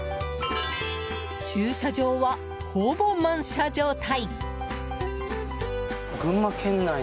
駐車場は、ほぼ満車状態。